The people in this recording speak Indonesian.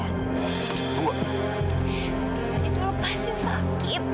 adil lepasin sakit